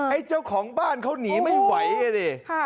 ไอ้เจ้าของบ้านเขาหนีไม่ไหวอ่ะเนี่ย